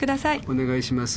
お願いします。